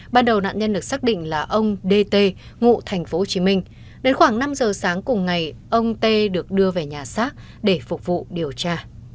ban đầu nạn nhân được xác định là ông dt ngụ tp hcm đến khoảng năm giờ sáng cùng ngày ông tê được đưa về nhà xác để phục vụ điều tra